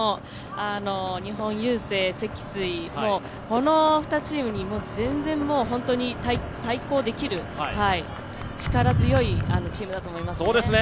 日本郵政、積水、この２チームにぜんぜん対抗できる力強いチームだと思いますね。